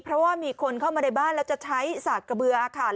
เพราะว่ามีคนเข้ามาในบ้านแล้วจะใช้สากกระเบืออาคาร